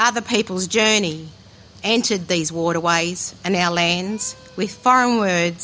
kami memiliki kata kata luar biasa percaya dan senjata